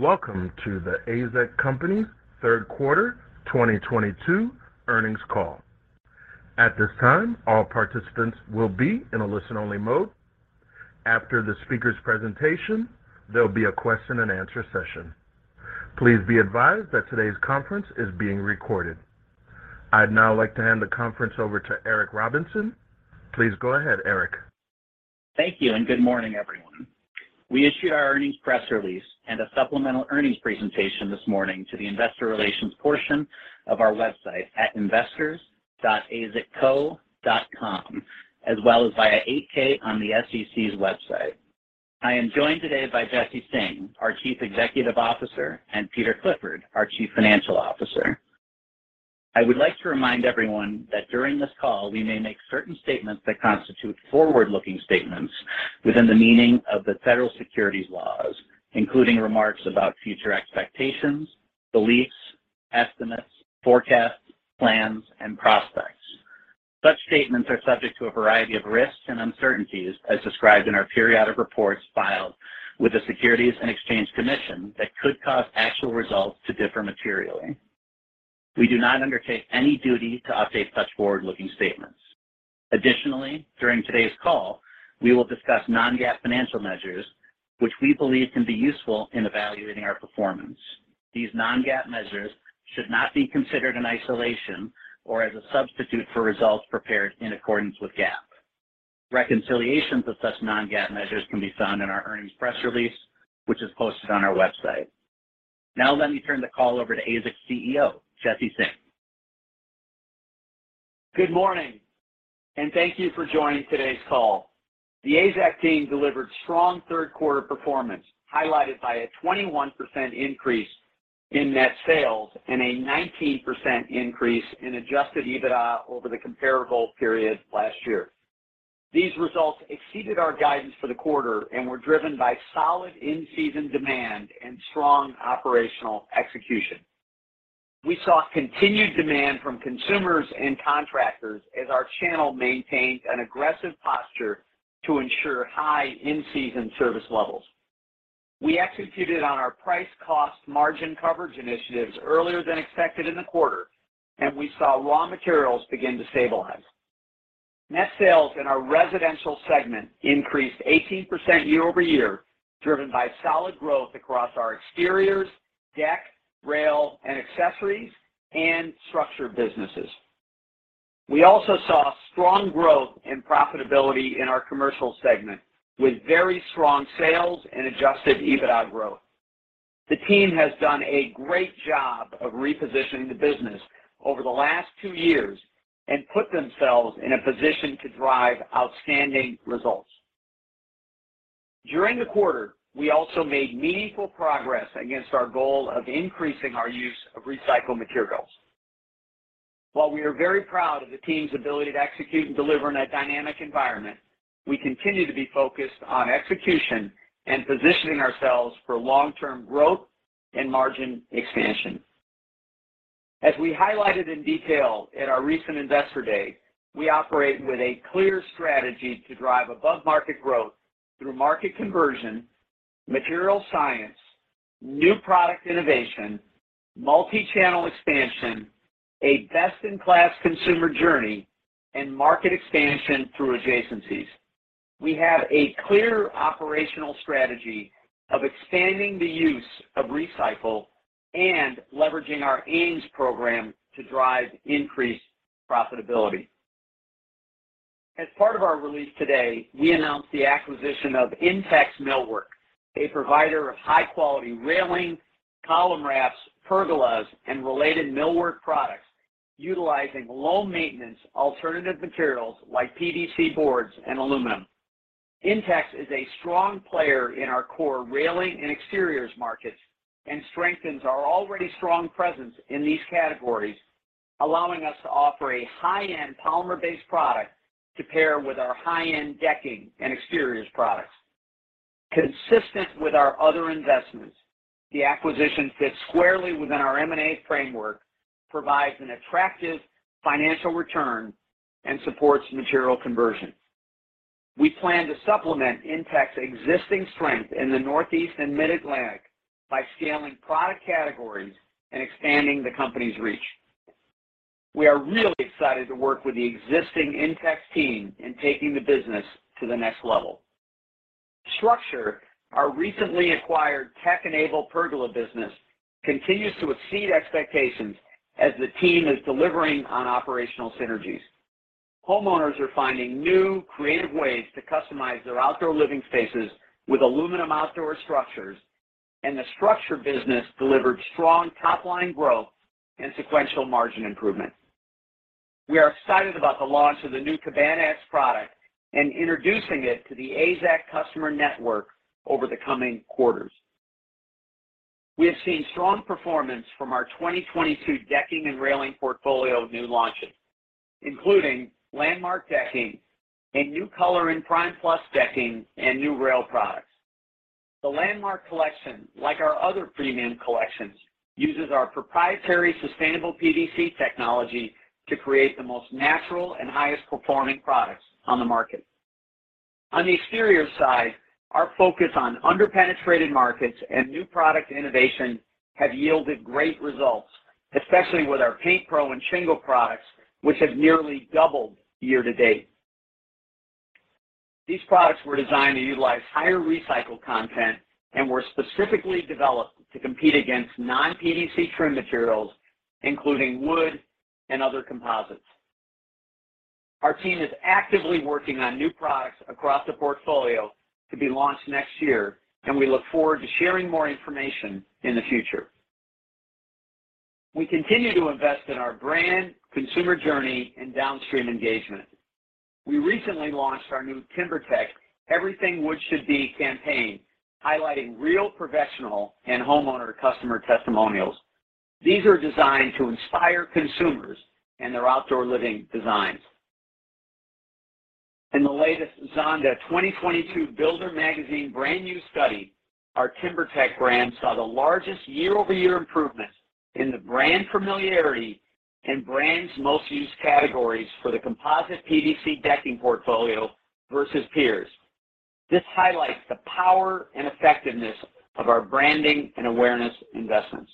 Welcome to The AZEK Company’s Third Quarter 2022 Earnings Call. At this time, all participants will be in a listen-only mode. After the speaker’s presentation, there’ll be a question-and-answer session. Please be advised that today’s conference is being recorded. I’d now like to hand the conference over to Eric Robinson. Please go ahead, Eric. Thank you, and good morning, everyone. We issued our earnings press release and a supplemental earnings presentation this morning to the investor relations portion of our website at investors.azekco.com, as well as via 8-K on the SEC's website. I am joined today by Jesse Singh, our Chief Executive Officer, and Peter Clifford, our Chief Financial Officer. I would like to remind everyone that during this call, we may make certain statements that constitute forward-looking statements within the meaning of the federal securities laws, including remarks about future expectations, beliefs, estimates, forecasts, plans, and prospects. Such statements are subject to a variety of risks and uncertainties as described in our periodic reports filed with the Securities and Exchange Commission that could cause actual results to differ materially. We do not undertake any duty to update such forward-looking statements. Additionally, during today's call, we will discuss non-GAAP financial measures which we believe can be useful in evaluating our performance. These non-GAAP measures should not be considered in isolation or as a substitute for results prepared in accordance with GAAP. Reconciliations of such non-GAAP measures can be found in our earnings press release, which is posted on our website. Now let me turn the call over to AZEK's CEO, Jesse Singh. Good morning, and thank you for joining today's call. The AZEK team delivered strong third quarter performance, highlighted by a 21% increase in net sales and a 19% increase in Adjusted EBITDA over the comparable period last year. These results exceeded our guidance for the quarter and were driven by solid in-season demand and strong operational execution. We saw continued demand from consumers and contractors as our channel maintained an aggressive posture to ensure high in-season service levels. We executed on our price cost margin coverage initiatives earlier than expected in the quarter, and we saw raw materials begin to stabilize. Net sales in our residential segment increased 18% year-over-year, driven by solid growth across our exteriors, deck, rail, and accessories and structure businesses. We also saw strong growth and profitability in our commercial segment, with very strong sales and Adjusted EBITDA growth. The team has done a great job of repositioning the business over the last two years and put themselves in a position to drive outstanding results. During the quarter, we also made meaningful progress against our goal of increasing our use of recycled materials. While we are very proud of the team's ability to execute and deliver in a dynamic environment, we continue to be focused on execution and positioning ourselves for long-term growth and margin expansion. As we highlighted in detail at our recent Investor Day, we operate with a clear strategy to drive above-market growth through market conversion, material science, new product innovation, multi-channel expansion, a best-in-class consumer journey, and market expansion through adjacencies. We have a clear operational strategy of expanding the use of recycled and leveraging our AIMS program to drive increased profitability. As part of our release today, we announced the acquisition of INTEX Millwork, a provider of high-quality railing, column wraps, pergolas, and related millwork products utilizing low-maintenance alternative materials like PVC boards and aluminum. INTEX is a strong player in our core railing and exteriors markets and strengthens our already strong presence in these categories, allowing us to offer a high-end polymer-based product to pair with our high-end decking and exteriors products. Consistent with our other investments, the acquisition fits squarely within our M&A framework, provides an attractive financial return, and supports material conversion. We plan to supplement INTEX's existing strength in the Northeast and Mid-Atlantic by scaling product categories and expanding the company's reach. We are really excited to work with the existing INTEX team in taking the business to the next level. StruXure, our recently acquired tech-enabled pergola business, continues to exceed expectations as the team is delivering on operational synergies. Homeowners are finding new, creative ways to customize their outdoor living spaces with aluminum outdoor structures, and the StruXure business delivered strong top-line growth and sequential margin improvement. We are excited about the launch of the new Cabana X product and introducing it to the AZEK customer network over the coming quarters. We have seen strong performance from our 2022 decking and railing portfolio of new launches, including Landmark Decking, a new color in Prime Plus Decking, and new rail products. The Landmark collection, like our other premium collections, uses our proprietary sustainable PVC technology to create the most natural and highest performing products on the market. On the exterior side, our focus on under-penetrated markets and new product innovation have yielded great results, especially with our PaintPro and Shingle products, which have nearly doubled year to date. These products were designed to utilize higher recycled content and were specifically developed to compete against non-PVC trim materials, including wood and other composites. Our team is actively working on new products across the portfolio to be launched next year, and we look forward to sharing more information in the future. We continue to invest in our brand, consumer journey, and downstream engagement. We recently launched our new TimberTech Everything Wood Should Be campaign, highlighting real professional and homeowner customer testimonials. These are designed to inspire consumers in their outdoor living designs. In the latest Zonda 2022 Builder Magazine Brand Use study, our TimberTech brand saw the largest year-over-year improvement in the brand familiarity and brand's most used categories for the composite PVC decking portfolio versus peers. This highlights the power and effectiveness of our branding and awareness investments.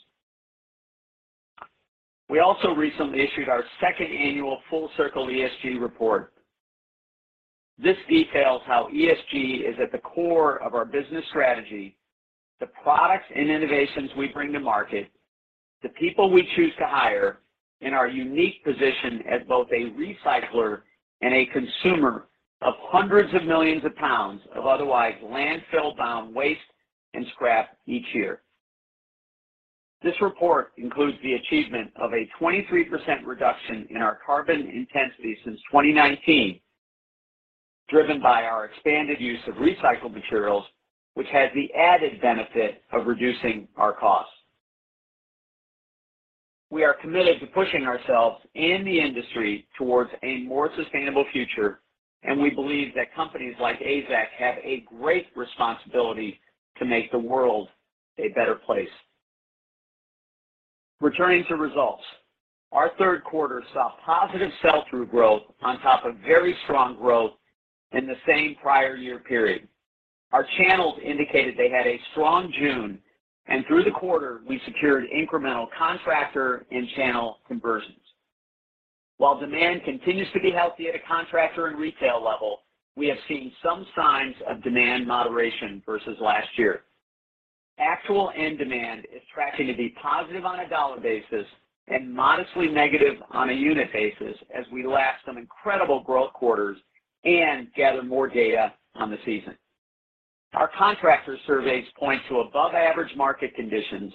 We also recently issued our second annual Full Circle ESG report. This details how ESG is at the core of our business strategy, the products and innovations we bring to market, the people we choose to hire, and our unique position as both a recycler and a consumer of hundreds of millions of pounds of otherwise landfill-bound waste and scrap each year. This report includes the achievement of a 23% reduction in our carbon intensity since 2019, driven by our expanded use of recycled materials, which has the added benefit of reducing our costs. We are committed to pushing ourselves and the industry towards a more sustainable future, and we believe that companies like AZEK have a great responsibility to make the world a better place. Returning to results, our third quarter saw positive sell-through growth on top of very strong growth in the same prior year period. Our channels indicated they had a strong June, and through the quarter, we secured incremental contractor and channel conversions. While demand continues to be healthy at a contractor and retail level, we have seen some signs of demand moderation versus last year. Actual end demand is tracking to be positive on a dollar basis and modestly negative on a unit basis as we lap some incredible growth quarters and gather more data on the season. Our contractor surveys point to above-average market conditions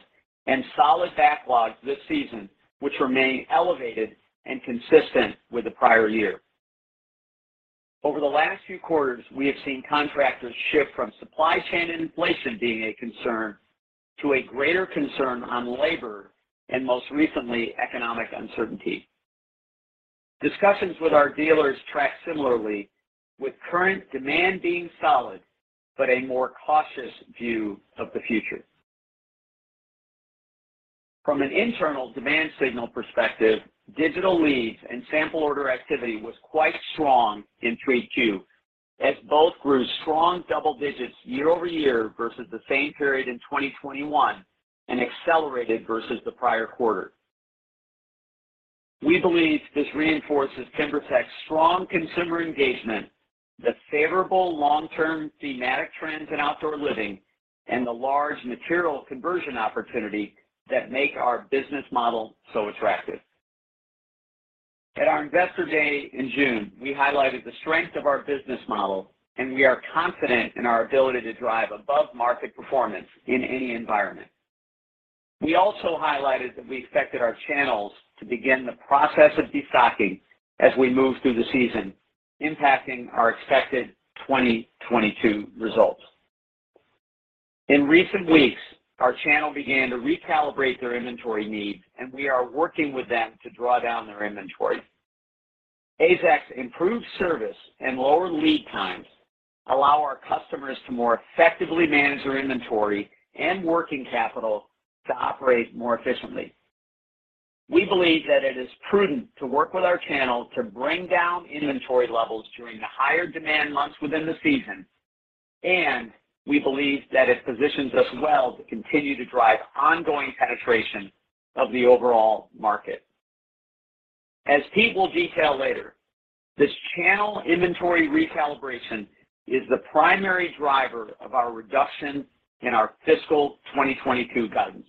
and solid backlogs this season, which remain elevated and consistent with the prior year. Over the last few quarters, we have seen contractors shift from supply chain inflation being a concern to a greater concern on labor and most recently, economic uncertainty. Discussions with our dealers track similarly with current demand being solid, but a more cautious view of the future. From an internal demand signal perspective, digital leads and sample order activity was quite strong in 3Q, as both grew strong double digits year-over-year versus the same period in 2021 and accelerated versus the prior quarter. We believe this reinforces TimberTech's strong consumer engagement, the favorable long-term thematic trends in outdoor living, and the large material conversion opportunity that make our business model so attractive. At our Investor Day in June, we highlighted the strength of our business model, and we are confident in our ability to drive above-market performance in any environment. We also highlighted that we expected our channels to begin the process of destocking as we move through the season, impacting our expected 2022 results. In recent weeks, our channel began to recalibrate their inventory needs, and we are working with them to draw down their inventory. AZEK's improved service and lower lead times allow our customers to more effectively manage their inventory and working capital to operate more efficiently. We believe that it is prudent to work with our channel to bring down inventory levels during the higher demand months within the season, and we believe that it positions us well to continue to drive ongoing penetration of the overall market. As Pete will detail later, this channel inventory recalibration is the primary driver of our reduction in our fiscal 2022 guidance.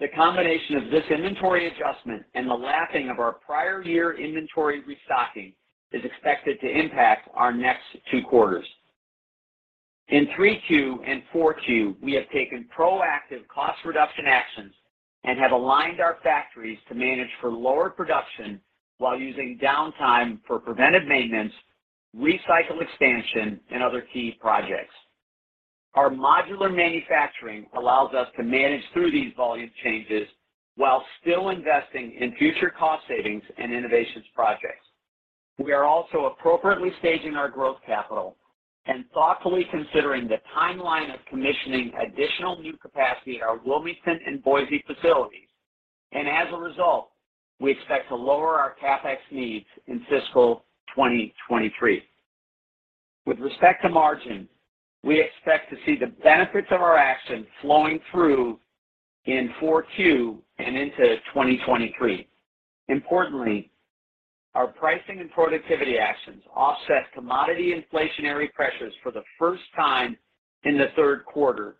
The combination of this inventory adjustment and the lapping of our prior year inventory restocking is expected to impact our next two quarters. In 3Q22 and 4Q22, we have taken proactive cost reduction actions and have aligned our factories to manage for lower production while using downtime for preventive maintenance, recycle expansion, and other key projects. Our modular manufacturing allows us to manage through these volume changes while still investing in future cost savings and innovations projects. We are also appropriately staging our growth capital and thoughtfully considering the timeline of commissioning additional new capacity at our Wilmington and Boise facilities. As a result, we expect to lower our CapEx needs in fiscal 2023. With respect to margin, we expect to see the benefits of our actions flowing through in Q4 2022 and into 2023. Importantly, our pricing and productivity actions offset commodity inflationary pressures for the first time in the third quarter,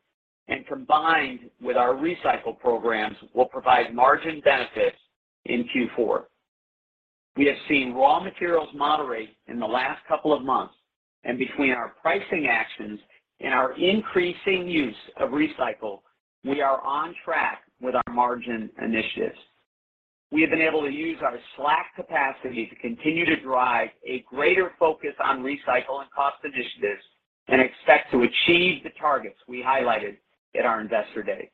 and combined with our recycle programs, will provide margin benefits in Q4. We have seen raw materials moderate in the last couple of months, and between our pricing actions and our increasing use of recycle, we are on track with our margin initiatives. We have been able to use our slack capacity to continue to drive a greater focus on recycle and cost initiatives and expect to achieve the targets we highlighted at our Investor Day.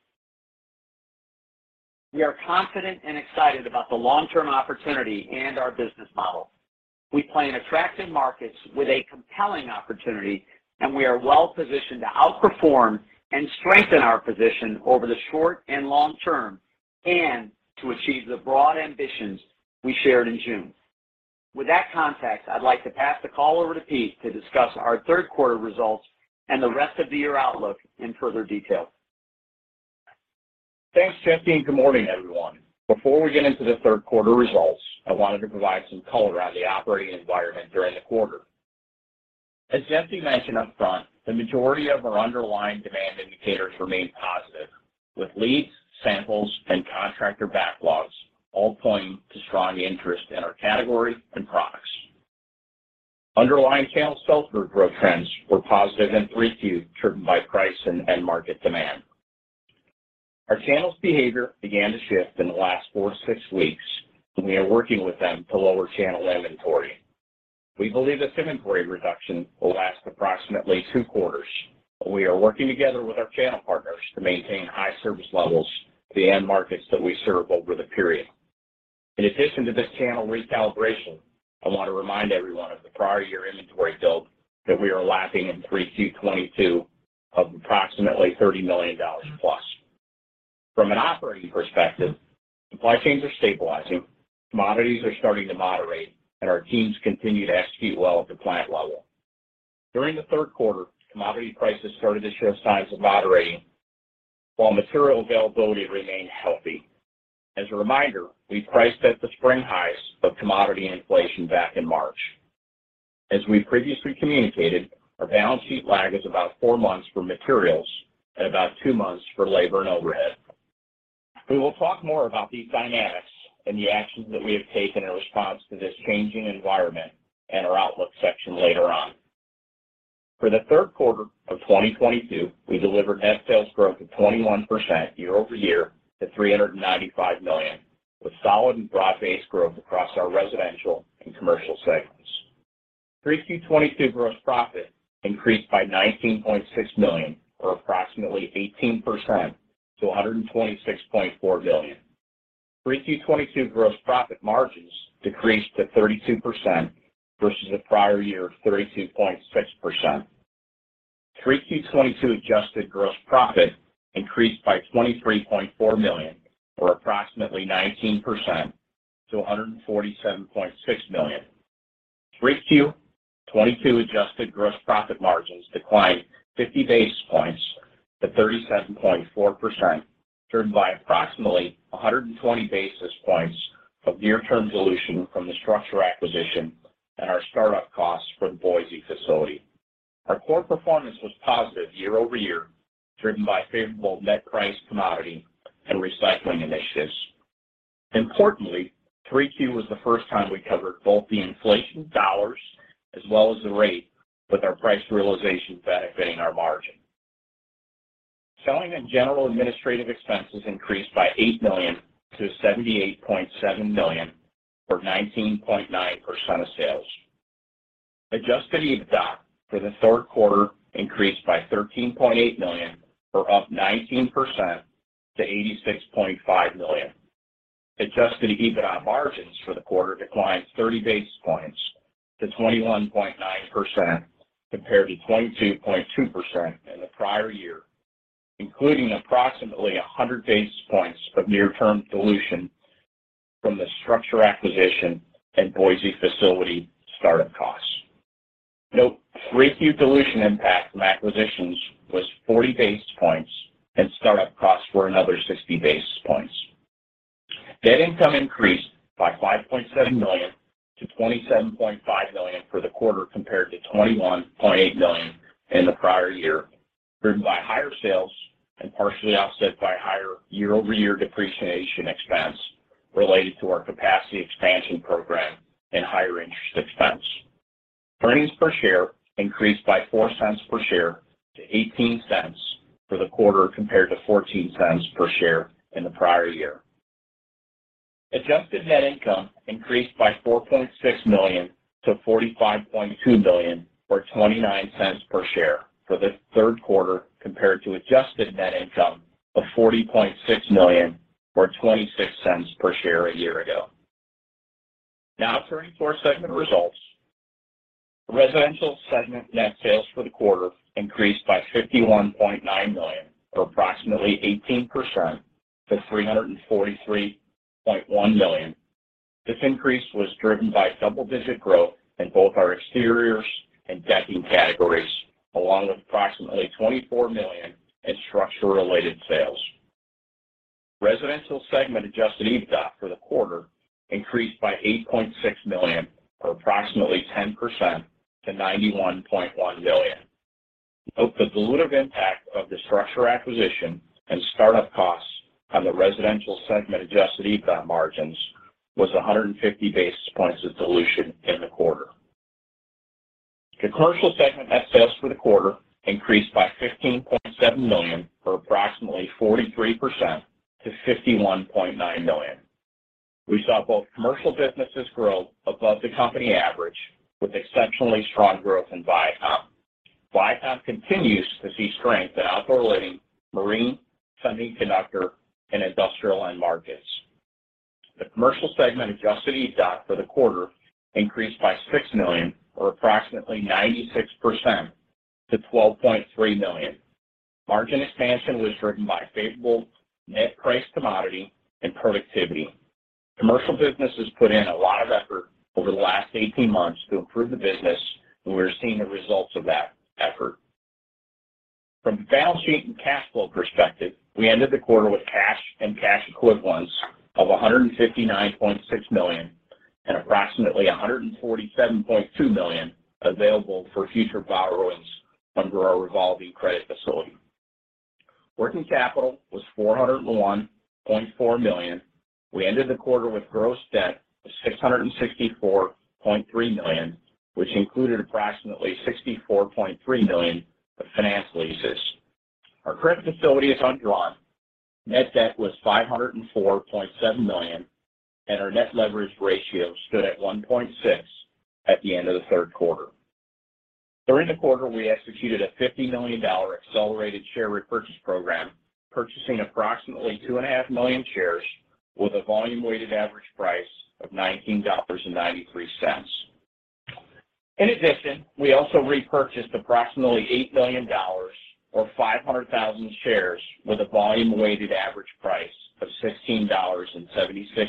We are confident and excited about the long-term opportunity and our business model. We play in attractive markets with a compelling opportunity, and we are well positioned to outperform and strengthen our position over the short and long term and to achieve the broad ambitions we shared in June. With that context, I'd like to pass the call over to Pete to discuss our third quarter results and the rest of the year outlook in further detail. Thanks, Jesse, and good morning, everyone. Before we get into the third quarter results, I wanted to provide some color around the operating environment during the quarter. As Jesse mentioned upfront, the majority of our underlying demand indicators remain positive, with leads, samples, and contractor backlogs all pointing to strong interest in our category and products. Underlying channel sell-through growth trends were positive in 3Q, driven by price and end market demand. Our channel's behavior began to shift in the last four to six weeks, and we are working with them to lower channel inventory. We believe this inventory reduction will last approximately two quarters, and we are working together with our channel partners to maintain high service levels to the end markets that we serve over the period. In addition to this channel recalibration, I want to remind everyone of the prior year inventory build that we are lapping in 3Q 2022 of approximately $30 million+. From an operating perspective, supply chains are stabilizing, commodities are starting to moderate, and our teams continue to execute well at the plant level. During the third quarter, commodity prices started to show signs of moderating, while material availability remained healthy. As a reminder, we priced at the spring highs of commodity inflation back in March. As we previously communicated, our balance sheet lag is about four months for materials and about two months for labor and overhead. We will talk more about these dynamics and the actions that we have taken in response to this changing environment in our outlook section later on. For the third quarter of 2022, we delivered net sales growth of 21% year-over-year to $395 million, with solid and broad-based growth across our residential and commercial segments. 3Q 2022 gross profit increased by $19.6 million, or approximately 18% to $126.4 million. 3Q 2022 gross profit margins decreased to 32% versus the prior year, 32.6%. 3Q 2022 adjusted gross profit increased by $23.4 million, or approximately 19% to $147.6 million. 3Q 2022 adjusted gross profit margins declined 50 basis points to 37.4%, driven by approximately 120 basis points of near-term dilution from the StruXure acquisition and our start-up costs for the Boise facility. Our core performance was positive year-over-year, driven by favorable net price commodity and recycling initiatives. Importantly, 3Q was the first time we covered both the inflation dollars as well as the rate with our price realization benefiting our margin. Selling and general administrative expenses increased by $8 million to $78.7 million, or 19.9% of sales. Adjusted EBITDA for the third quarter increased by $13.8 million, or up 19% to $86.5 million. Adjusted EBITDA margins for the quarter declined 30 basis points to 21.9% compared to 22.2% in the prior year, including approximately 100 basis points of near-term dilution from the StruXure acquisition and Boise facility start-up costs. Note, 3Q dilution impact from acquisitions was 40 basis points, and start-up costs were another 60 basis points. Net income increased by $5.7 million to $27.5 million for the quarter compared to $21.8 million in the prior year, driven by higher sales and partially offset by higher year-over-year depreciation expense related to our capacity expansion program and higher interest expense. Earnings per share increased by $0.04 per share to $0.18 for the quarter compared to $0.14 per share in the prior year. Adjusted net income increased by $4.6 million to $45.2 million, or $0.29 per share for the third quarter compared to adjusted net income of $40.6 million or $0.26 per share a year ago. Now turning to our segment results. Residential segment net sales for the quarter increased by $51.9 million, or approximately 18% to $343.1 million. This increase was driven by double-digit growth in both our exteriors and decking categories, along with approximately $24 million in StruXure-related sales. Residential segment adjusted EBITDA for the quarter increased by $8.6 million, or approximately 10% to $91.1 million. The dilutive impact of the StruXure acquisition and start-up costs on the residential segment adjusted EBITDA margins was 150 basis points of dilution in the quarter. The commercial segment net sales for the quarter increased by $15.7 million, or approximately 43% to $51.9 million. We saw both commercial businesses grow above the company average, with exceptionally strong growth in Vycom. Vycom continues to see strength in outdoor living, marine, fencing, conduit, and industrial end markets. The commercial segment adjusted EBITDA for the quarter increased by $6 million, or approximately 96% to $12.3 million. Margin expansion was driven by favorable net price commodity and productivity. Commercial businesses put in a lot of effort over the last 18 months to improve the business, and we're seeing the results of that effort. From balance sheet and cash flow perspective, we ended the quarter with cash and cash equivalents of $159.6 million and approximately $147.2 million available for future borrowings under our revolving credit facility. Working capital was $401.4 million. We ended the quarter with gross debt of $664.3 million, which included approximately $64.3 million of finance leases. Our credit facility is undrawn. Net debt was $504.7 million, and our net leverage ratio stood at 1.6 at the end of the third quarter. During the quarter, we executed a $50 million accelerated share repurchase program, purchasing approximately 2.5 million shares with a volume weighted average price of $19.93. In addition, we also repurchased approximately $8 million or 500,000 shares with a volume weighted average price of $16.76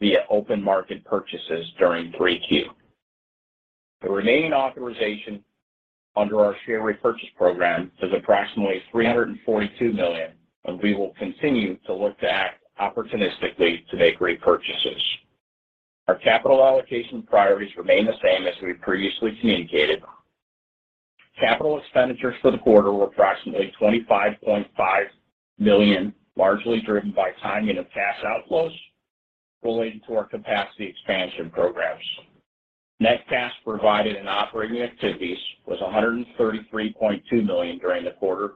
via open market purchases during 3Q. The remaining authorization under our share repurchase program is approximately $342 million, and we will continue to look to act opportunistically to make repurchases. Our capital allocation priorities remain the same as we previously communicated. Capital expenditures for the quarter were approximately $25.5 million, largely driven by timing of cash outflows related to our capacity expansion programs. Net cash provided in operating activities was $133.2 million during the quarter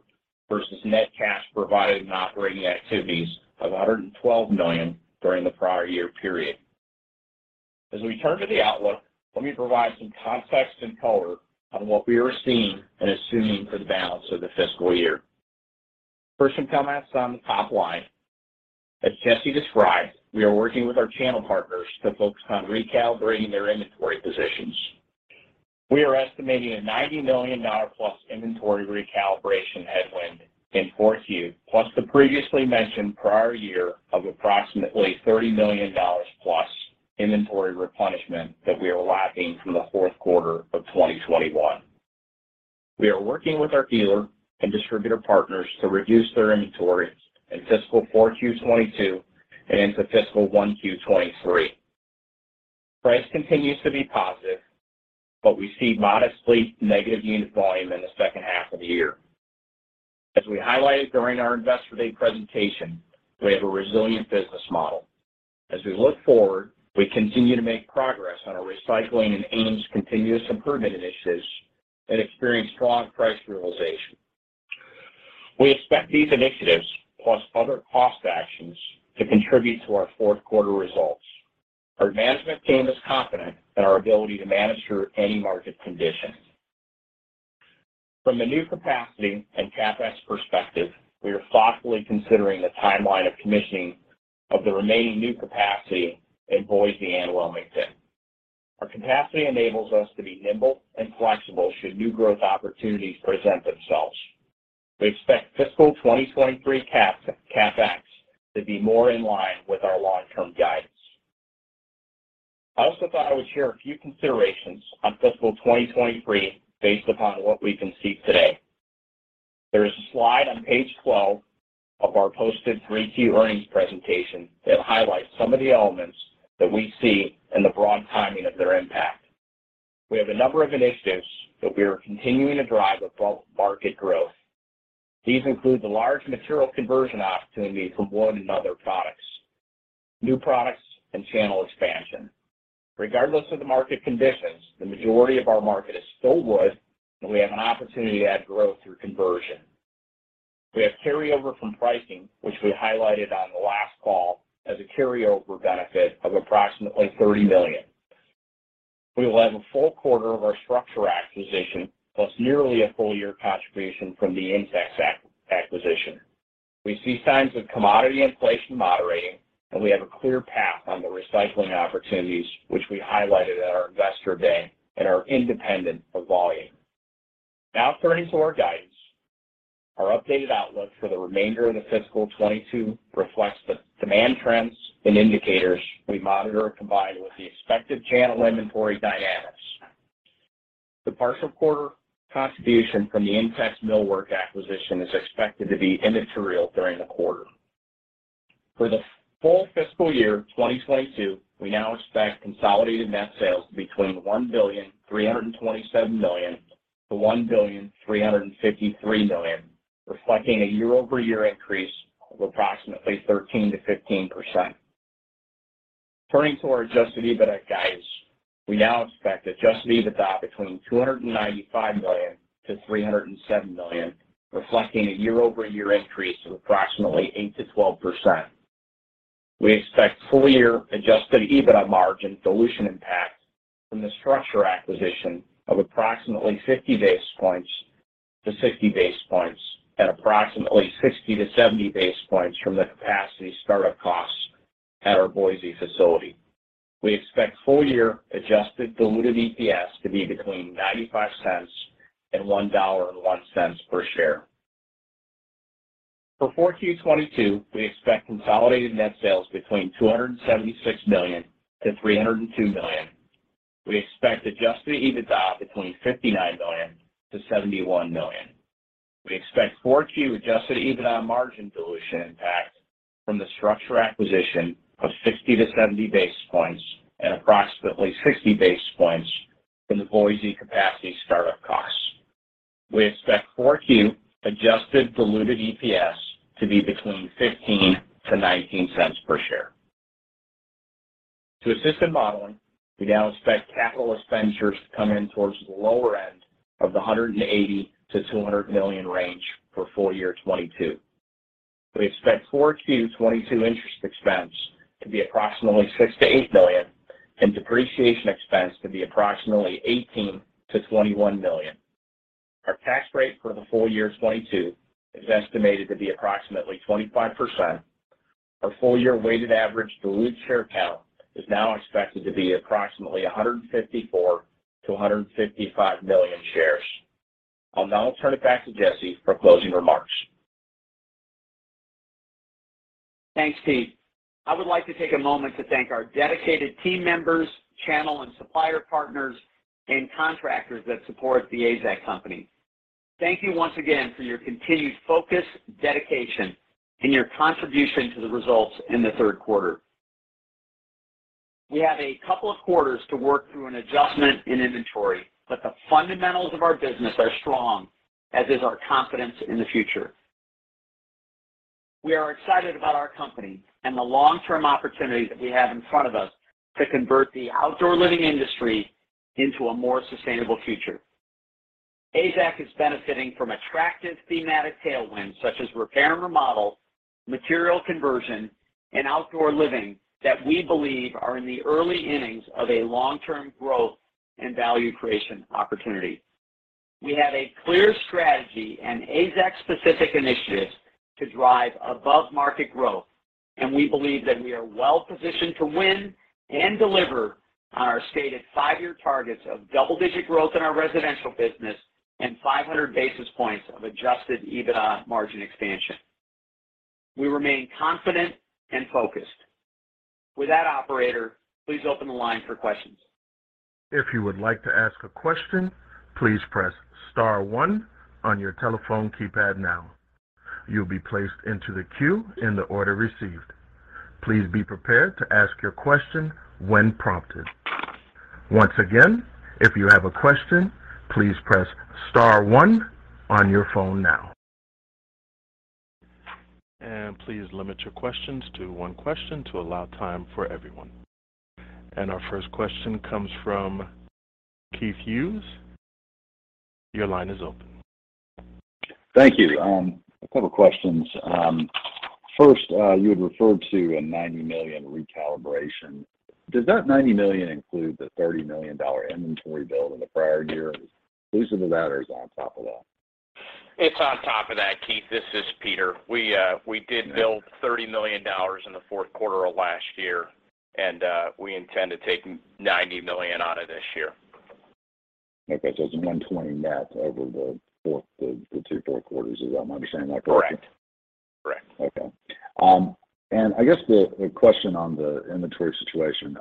versus net cash provided in operating activities of $112 million during the prior year period. As we turn to the outlook, let me provide some context and color on what we are seeing and assuming for the balance of the fiscal year. First, some comments on the top line. As Jesse described, we are working with our channel partners to focus on recalibrating their inventory positions. We are estimating a $90 million+ inventory recalibration headwind in 4Q, plus the previously mentioned prior year of approximately $30 million+ inventory replenishment that we are lacking from the fourth quarter of 2021. We are working with our dealer and distributor partners to reduce their inventory in fiscal 4Q 2022 and into fiscal 1Q 2023. Price continues to be positive, but we see modestly negative unit volume in the second half of the year. As we highlighted during our Investor Day presentation, we have a resilient business model. As we look forward, we continue to make progress on our recycling and AIMS continuous improvement initiatives and experience strong price realization. We expect these initiatives, plus other cost actions, to contribute to our fourth quarter results. Our management team is confident in our ability to manage through any market condition. From a new capacity and CapEx perspective, we are thoughtfully considering the timeline of commissioning of the remaining new capacity in Boise and Wilmington. Our capacity enables us to be nimble and flexible should new growth opportunities present themselves. We expect fiscal 2023 CapEx to be more in line with our long-term guidance. I also thought I would share a few considerations on fiscal 2023 based upon what we can see today. There is a slide on page 12 of our posted 3Q earnings presentation that highlights some of the elements that we see and the broad timing of their impact. We have a number of initiatives that we are continuing to drive above market growth. These include the large material conversion opportunity from wood and other products, new products, and channel expansion. Regardless of the market conditions, the majority of our market is still wood, and we have an opportunity to add growth through conversion. We have carryover from pricing, which we highlighted on the last call as a carryover benefit of approximately $30 million. We will have a full quarter of our StruXure acquisition, plus nearly a full year contribution from the INTEX acquisition. We see signs of commodity inflation moderating, and we have a clear path on the recycling opportunities which we highlighted at our Investor Day and are independent of volume. Now turning to our guidance. Our updated outlook for the remainder of the fiscal 2022 reflects the demand trends and indicators we monitor, combined with the expected channel inventory dynamics. The partial quarter contribution from the INTEX Millwork acquisition is expected to be immaterial during the quarter. For the full fiscal year 2022, we now expect consolidated net sales between $1.327 billion to $1.353 billion, reflecting a year-over-year increase of approximately 13% to 15%. Turning to our Adjusted EBITDA guidance. We now expect Adjusted EBITDA between $295 million to $307 million, reflecting a year-over-year increase of approximately 8% to 12%. We expect full year adjusted EBITDA margin dilution impact from the StruXure acquisition of approximately 50 to 60 basis points at approximately 60 to 70 basis points from the capacity startup costs at our Boise facility. We expect full year adjusted diluted EPS to be between $0.95 and $1.01 per share. For 4Q 2022, we expect consolidated net sales between $276 million to $302 million. We expect adjusted EBITDA between $59 million to $71 million. We expect 4Q adjusted EBITDA margin dilution impact from the StruXure acquisition of 60 to 70 basis points and approximately 60 basis points from the Boise capacity startup costs. We expect 4Q adjusted diluted EPS to be between $0.15 to 0.19 per share. To assist in modeling, we now expect capital expenditures to come in towards the lower end of the $180 to $200 million range for full year 2022. We expect 4Q 2022 interest expense to be approximately $6 million to $8 million and depreciation expense to be approximately $18 million to $21 million. Our tax rate for the full year 2022 is estimated to be approximately 25%. Our full year weighted average diluted share count is now expected to be approximately 154 million to 155 million shares. I'll now turn it back to Jesse for closing remarks. Thanks, Pete. I would like to take a moment to thank our dedicated team members, channel and supplier partners, and contractors that support The AZEK Company. Thank you once again for your continued focus, dedication, and your contribution to the results in the third quarter. We have a couple of quarters to work through an adjustment in inventory, but the fundamentals of our business are strong, as is our confidence in the future. We are excited about our company and the long-term opportunities that we have in front of us to convert the outdoor living industry into a more sustainable future. AZEK is benefiting from attractive thematic tailwinds such as repair and remodel, material conversion, and outdoor living that we believe are in the early innings of a long-term growth and value creation opportunity. We have a clear strategy and AZEK-specific initiatives to drive above-market growth, and we believe that we are well positioned to win and deliver on our stated five-year targets of double-digit growth in our residential business and 500 basis points of Adjusted EBITDA margin expansion. We remain confident and focused. With that, operator, please open the line for questions. If you would like to ask a question, please press star one on your telephone keypad now. You'll be placed into the queue in the order received. Please be prepared to ask your question when prompted. Once again, if you have a question, please press star one on your phone now. Please limit your questions to one question to allow time for everyone. Our first question comes from Keith Hughes. Your line is open. Thank you. A couple questions. First, you had referred to a $90 million recalibration. Does that $90 million include the $30 million inventory build in the prior year? Or is this in addition to that or is it on top of that? It's on top of that, Keith. This is Peter. We did build $30 million in the fourth quarter of last year, and we intend to take $90 million out of this year. Okay. It's 120 net over the two fourth quarters. Is that? Am I understanding that correctly? Correct. Okay. I guess the question on the inventory situation,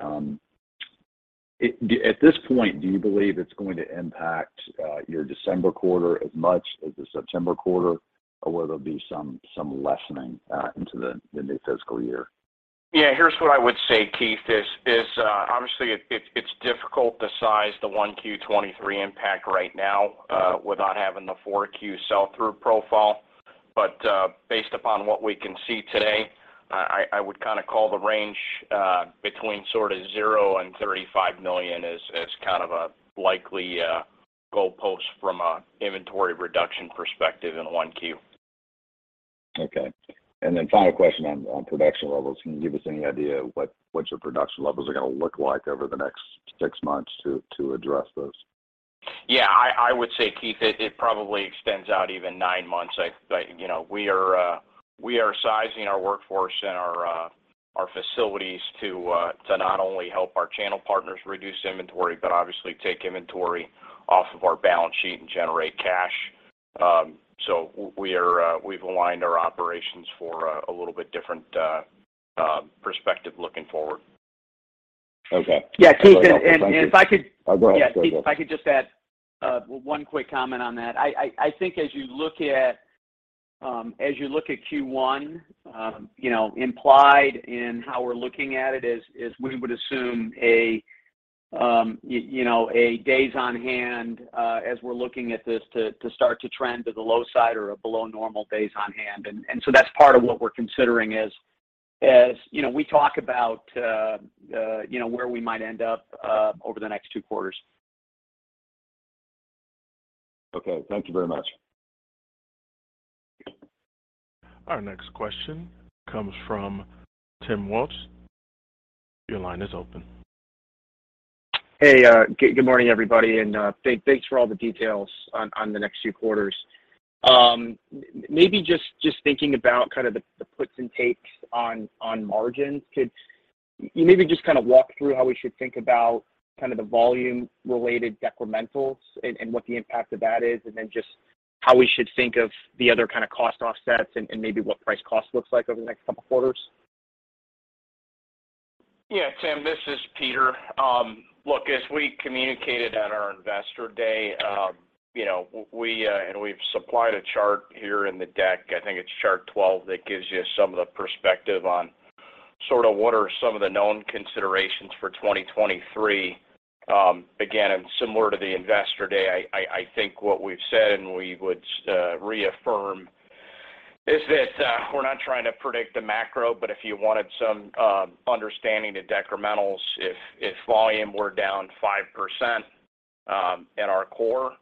at this point, do you believe it's going to impact your December quarter as much as the September quarter, or will there be some lessening into the new fiscal year? Yeah. Here's what I would say, Keith, is obviously it's difficult to size the 1Q 2023 impact right now without having the 4Q sell-through profile. Based upon what we can see today, I would kinda call the range between sort of 0 and $35 million as kind of a likely goalpost from a inventory reduction perspective in 1Q. Okay. Final question on production levels. Can you give us any idea what your production levels are gonna look like over the next six months to address this? Yeah. I would say, Keith, it probably extends out even nine months. You know, we are sizing our workforce and our facilities to not only help our channel partners reduce inventory, but obviously take inventory off of our balance sheet and generate cash. We've aligned our operations for a little bit different perspective looking forward. Okay. Yeah, Keith, if I could- Go ahead. Yeah, Keith, if I could just add one quick comment on that. I think as you look at Q1, you know, implied in how we're looking at it is we would assume you know, days on hand as we're looking at this to start to trend to the low side or below normal days on hand. And so that's part of what we're considering as you know, we talk about you know, where we might end up over the next two quarters. Okay. Thank you very much. Our next question comes from Timothy Wojs. Your line is open. Good morning, everybody. Thanks for all the details on the next few quarters. Maybe just thinking about kind of the puts and takes on margins. Could you maybe just kind of walk through how we should think about kind of the volume-related decrementals and what the impact of that is? Then just how we should think of the other kind of cost offsets and maybe what price-cost looks like over the next couple quarters? Yeah, Tim, this is Peter. Look, as we communicated at our Investor Day, you know, and we've supplied a chart here in the deck, I think it's chart 12, that gives you some of the perspective on sort of what are some of the known considerations for 2023. Again, similar to the Investor Day, I think what we've said and we would reaffirm is that, we're not trying to predict the macro. If you wanted some understanding the decrementals if volume were down 5%, at our core,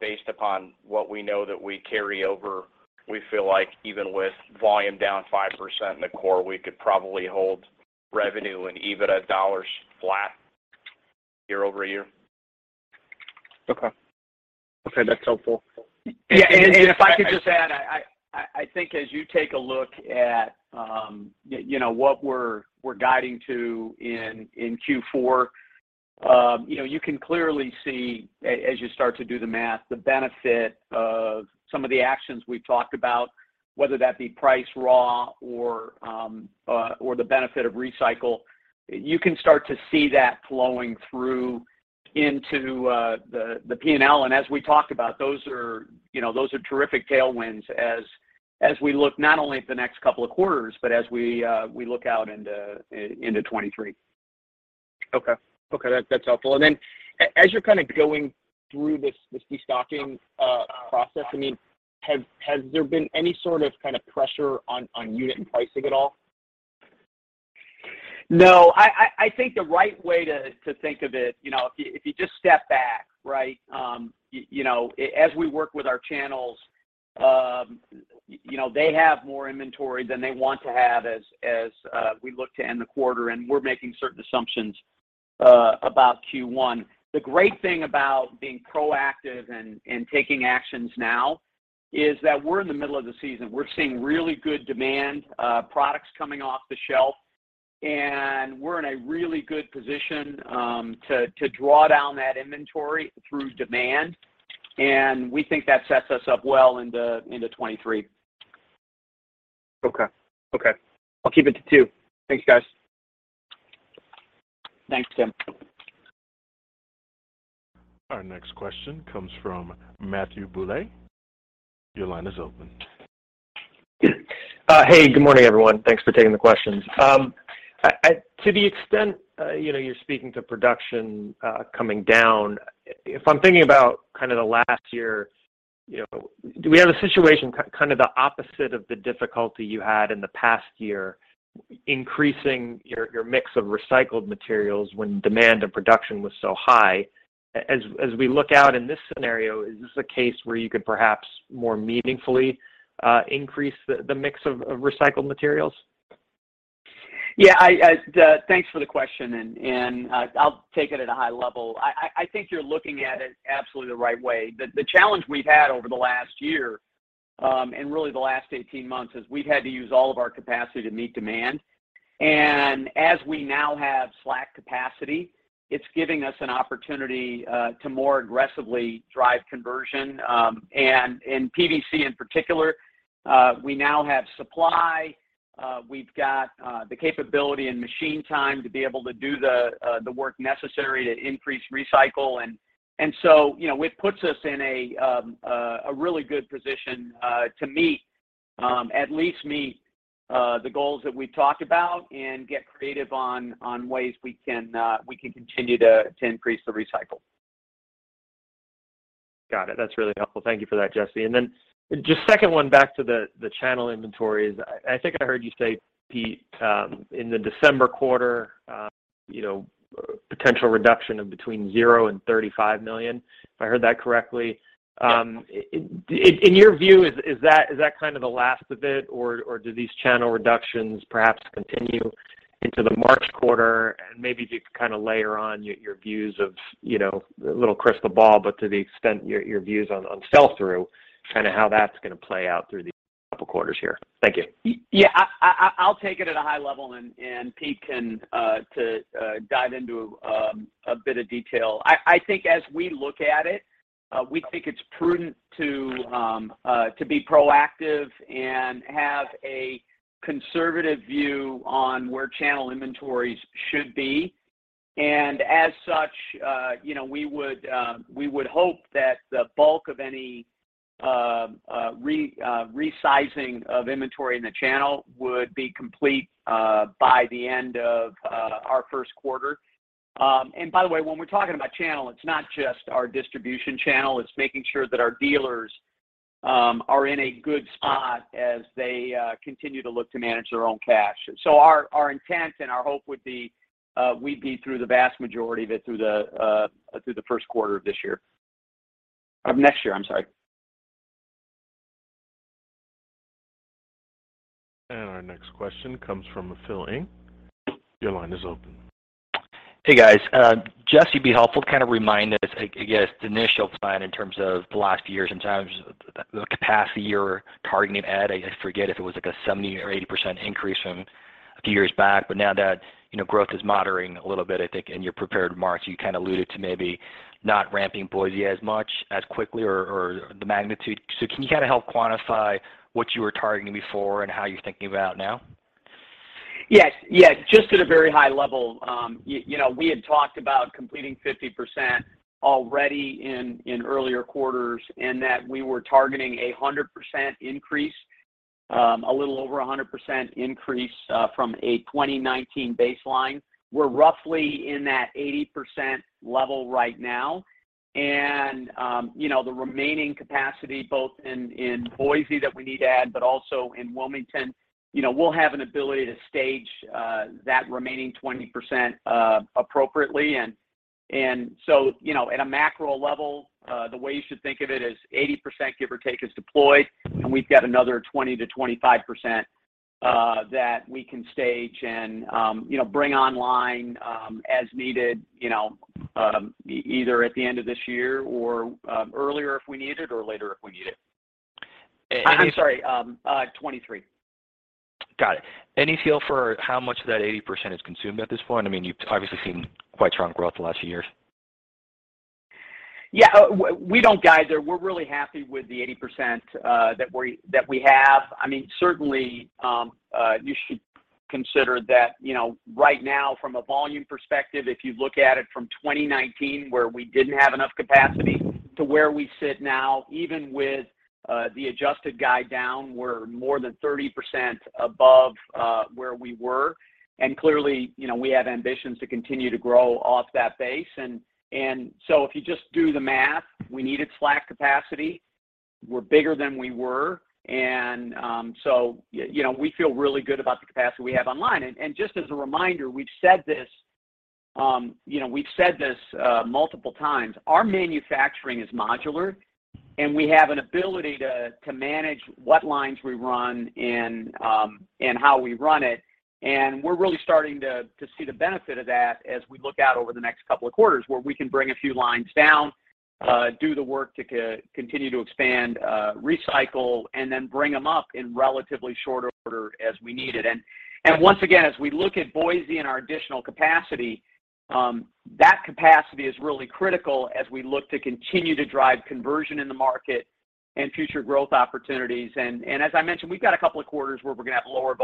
based upon what we know that we carry over, we feel like even with volume down 5% in the core, we could probably hold revenue and EBITDA dollars flat year-over-year. Okay. Okay, that's helpful. Yeah. If I could just add, I think as you take a look at, you know, what we're guiding to in Q4, you know, you can clearly see as you start to do the math, the benefit of some of the actions we've talked about, whether that be price, raw or the benefit of recycle. You can start to see that flowing through into the P&L. As we talked about, those are, you know, terrific tailwinds as we look not only at the next couple of quarters, but as we look out into 2023. Okay. That's helpful. As you're kind of going through this destocking process, I mean, has there been any sort of kind of pressure on unit and pricing at all? No. I think the right way to think of it, you know, if you just step back, right? You know, as we work with our channels, you know, they have more inventory than they want to have as we look to end the quarter, and we're making certain assumptions about Q1. The great thing about being proactive and taking actions now is that we're in the middle of the season. We're seeing really good demand, products coming off the shelf, and we're in a really good position to draw down that inventory through demand, and we think that sets us up well into 2023. Okay. Okay. I'll keep it to two. Thanks, guys. Thanks, Tim. Our next question comes from Matthew Boulay. Your line is open. Hey. Good morning, everyone. Thanks for taking the questions. To the extent, you know, you're speaking to production coming down, if I'm thinking about kind of the last year, you know, do we have a situation kind of the opposite of the difficulty you had in the past year increasing your mix of recycled materials when demand and production was so high? As we look out in this scenario, is this a case where you could perhaps more meaningfully increase the mix of recycled materials? Thanks for the question. I'll take it at a high level. I think you're looking at it absolutely the right way. The challenge we've had over the last year and really the last 18 months is we've had to use all of our capacity to meet demand. As we now have slack capacity, it's giving us an opportunity to more aggressively drive conversion. In PVC in particular, we now have supply. We've got the capability and machine time to be able to do the work necessary to increase recycle. You know, it puts us in a really good position to meet at least the goals that we've talked about and get creative on ways we can continue to increase the recycle. Got it. That's really helpful. Thank you for that, Jesse. Just second one back to the channel inventories. I think I heard you say, Pete, in the December quarter, you know, potential reduction of between $0 and $35 million, if I heard that correctly? Yes. In your view, is that kind of the last of it, or do these channel reductions perhaps continue into the March quarter? Maybe if you could kind of layer on your views of, you know, a little crystal ball, but to the extent your views on sell-through, kind of how that's gonna play out through these couple quarters here. Thank you. Yeah. I'll take it at a high level and Pete can dive into a bit of detail. I think as we look at it, we think it's prudent to be proactive and have a conservative view on where channel inventories should be. As such, you know, we would hope that the bulk of any resizing of inventory in the channel would be complete by the end of our first quarter. By the way, when we're talking about channel, it's not just our distribution channel, it's making sure that our dealers are in a good spot as they continue to look to manage their own cash. Our intent and our hope would be, we'd be through the vast majority of it through the first quarter of this year. Of next year, I'm sorry. Our next question comes from Philip Ng. Your line is open. Hey, guys. Jesse, it'd be helpful to kind of remind us, like, I guess the initial plan in terms of the last year sometimes, the capacity you were targeting at. I forget if it was like a 70% or 80% increase from a few years back. Now that, you know, growth is moderating a little bit, I think in your prepared remarks, you kind of alluded to maybe not ramping Boise as much, as quickly or the magnitude. Can you kind of help quantify what you were targeting before and how you're thinking about now? Yes. Just at a very high level, you know, we had talked about completing 50% already in earlier quarters, and that we were targeting a 100% increase, a little over 100% increase, from a 2019 baseline. We're roughly in that 80% level right now. You know, the remaining capacity both in Boise that we need to add, but also in Wilmington, you know, we'll have an ability to stage that remaining 20%, appropriately. You know, at a macro level, the way you should think of it is 80%, give or take, is deployed, and we've got another 20% to 25%, that we can stage and, you know, bring online, as needed, you know, either at the end of this year or, earlier if we need it or later if we need it. And any- I'm sorry. 2023. Got it. Any feel for how much of that 80% is consumed at this point? I mean, you've obviously seen quite strong growth the last few years. Yeah. We don't guide there. We're really happy with the 80% that we have. I mean, certainly, you should consider that, you know, right now from a volume perspective, if you look at it from 2019 where we didn't have enough capacity to where we sit now, even with the adjusted guide down, we're more than 30% above where we were. Clearly, you know, we have ambitions to continue to grow off that base. If you just do the math, we needed slack capacity. We're bigger than we were. You know, we feel really good about the capacity we have online. Just as a reminder, we've said this, you know, multiple times. Our manufacturing is modular, and we have an ability to manage what lines we run and how we run it. We're really starting to see the benefit of that as we look out over the next couple of quarters where we can bring a few lines down, do the work to continue to expand, recycle, and then bring them up in relatively shorter order as we need it. Once again, as we look at Boise and our additional capacity, that capacity is really critical as we look to continue to drive conversion in the market and future growth opportunities. as I mentioned, we've got a couple of quarters where we're gonna have lower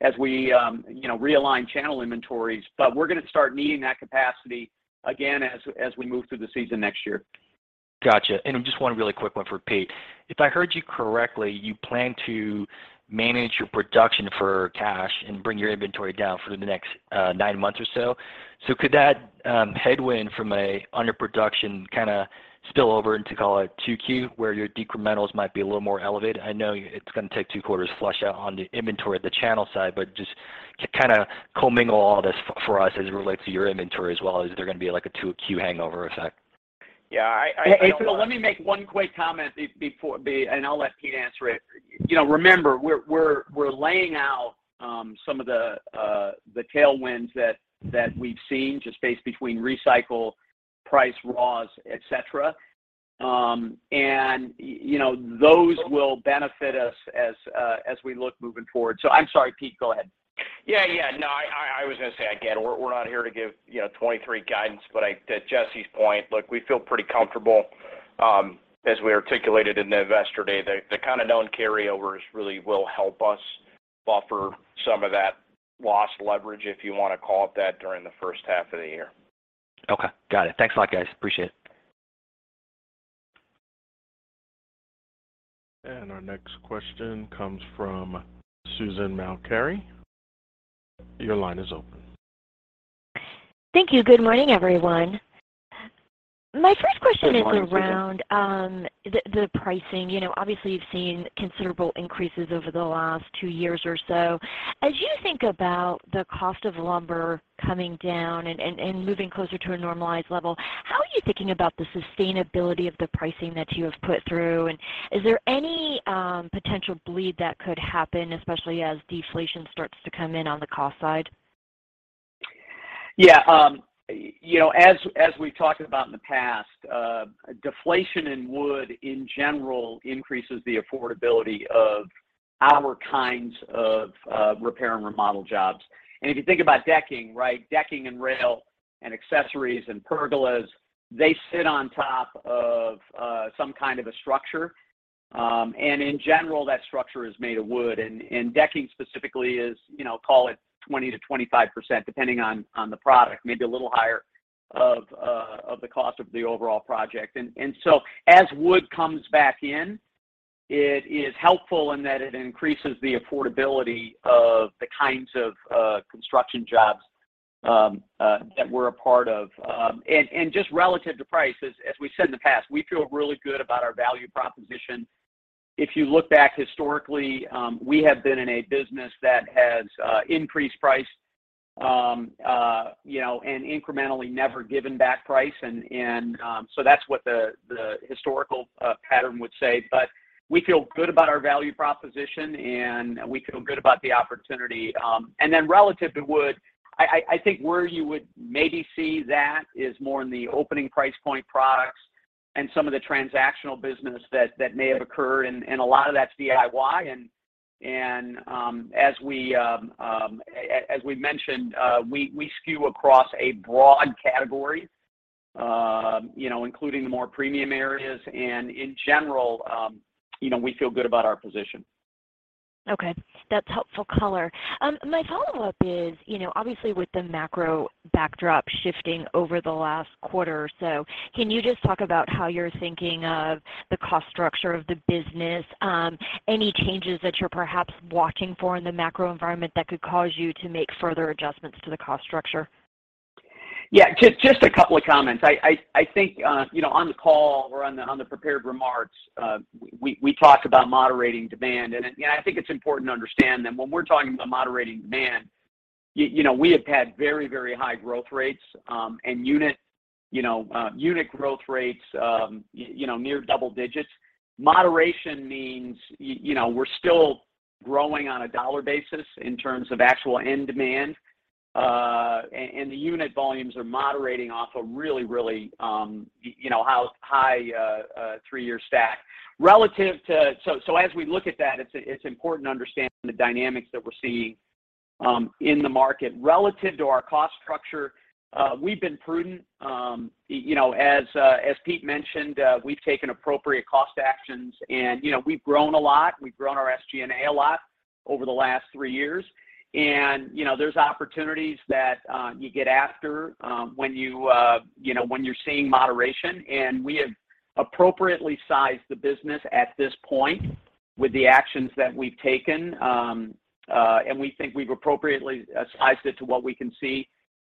volumes as we realign channel inventories, but we're gonna start needing that capacity again as we move through the season next year. Gotcha. Just one really quick one for Pete. If I heard you correctly, you plan to manage your production for cash and bring your inventory down for the next nine months or so. Could that headwind from underproduction kinda spill over into, call it, 2Q, where your decrementals might be a little more elevated? I know it's gonna take two quarters to flush out on the inventory at the channel side, but just kind of commingle all this for us as it relates to your inventory as well. Is there gonna be like a 2Q hangover effect? Yeah. I don't- A-and- Phil, let me make one quick comment before, and I'll let Pete answer it. You know, remember, we're laying out some of the tailwinds that we've seen, just space between recycle, price, raws, et cetera. You know, those will benefit us as we look moving forward. I'm sorry, Pete, go ahead. Yeah. No, I was gonna say, again, we're not here to give, you know, 2023 guidance. To Jesse's point, look, we feel pretty comfortable, as we articulated in the Investor Day, the kind of known carryovers really will help us buffer some of that lost leverage, if you wanna call it that, during the first half of the year. Okay. Got it. Thanks a lot, guys. Appreciate it. Our next question comes from Susan Maklari. Your line is open. Thank you. Good morning, everyone. My first question is around the pricing. You know, obviously, you've seen considerable increases over the last two years or so. As you think about the cost of lumber coming down and moving closer to a normalized level, how are you thinking about the sustainability of the pricing that you have put through? Is there any potential bleed that could happen, especially as deflation starts to come in on the cost side? Yeah, you know, as we've talked about in the past, deflation in wood, in general, increases the affordability of our kinds of repair and remodel jobs. If you think about decking, right? Decking and rail and accessories and pergolas, they sit on top of some kind of a structure. In general, that structure is made of wood. Decking specifically is, you know, call it 20% to 25%, depending on the product, maybe a little higher of the cost of the overall project. As wood comes back in, it is helpful in that it increases the affordability of the kinds of construction jobs that we're a part of. Just relative to price, as we said in the past, we feel really good about our value proposition. If you look back historically, we have been in a business that has increased price, you know, and incrementally never given back price. That's what the historical pattern would say. We feel good about our value proposition, and we feel good about the opportunity. Relative to wood, I think where you would maybe see that is more in the opening price point products and some of the transactional business that may have occurred. A lot of that's DIY. As we've mentioned, we skew across a broad category, you know, including the more premium areas. In general, you know, we feel good about our position. Okay. That's helpful color. My follow-up is, you know, obviously with the macro backdrop shifting over the last quarter or so, can you just talk about how you're thinking of the cost structure of the business? Any changes that you're perhaps watching for in the macro environment that could cause you to make further adjustments to the cost structure? Yeah. Just a couple of comments. I think you know, on the call or on the prepared remarks, we talked about moderating demand. I think it's important to understand that when we're talking about moderating demand, you know, we have had very high growth rates, and unit growth rates you know, near double digits. Moderation means you know, we're still growing on a dollar basis in terms of actual end demand, and the unit volumes are moderating off a really high three-year stack. As we look at that, it's important to understand the dynamics that we're seeing in the market. Relative to our cost structure, we've been prudent. You know, as Pete mentioned, we've taken appropriate cost actions. You know, we've grown a lot. We've grown our SG&A a lot over the last three years. You know, there's opportunities that you get after when you're seeing moderation. We have appropriately sized the business at this point with the actions that we've taken. We think we've appropriately sized it to what we can see